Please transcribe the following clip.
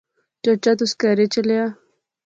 چچا تس کہھرے چلیا؟